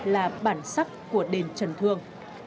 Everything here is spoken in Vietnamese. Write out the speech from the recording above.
là bản sắc của đền trần thương